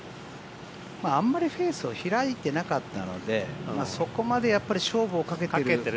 あんまりフェースを開いてなかったのでそこまで勝負をかけてる。